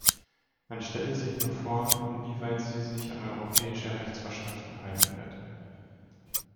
Man stelle sich nur vor, inwieweit sie sich an europäische Rechtsvorschriften halten wird.